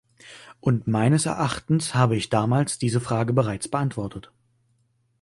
Und meines Erachtens habe ich damals diese Frage bereits beantwortet.